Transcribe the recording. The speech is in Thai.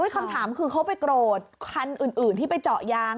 คำถามคือเขาไปโกรธคันอื่นที่ไปเจาะยาง